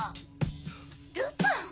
ルパン！